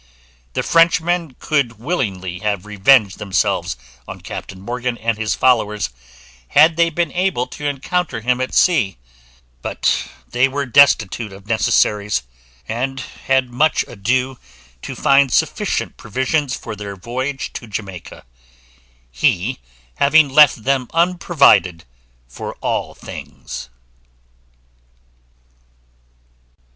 The Frenchmen could willingly have revenged themselves on Captain Morgan and his followers, had they been able to encounter him at sea; but they were destitute of necessaries, and had much ado to find sufficient provisions for their voyage to Jamaica, he having left them unprovided for all things.